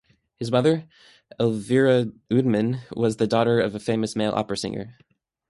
His mother, Elvira Uddman, was the daughter of a famous male opera singer.